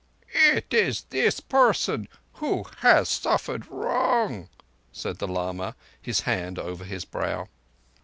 "It is this person who has suffered wrong," said the lama, his hand over his brow.